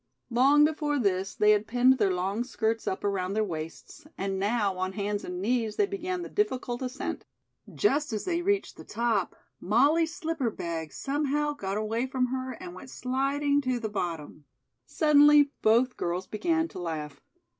Long before this, they had pinned their long skirts up around their waists, and now, on hands and knees, they began the difficult ascent. Just as they reached the top, Molly's slipper bag somehow got away from her and went sliding to the bottom. Suddenly both girls began to laugh.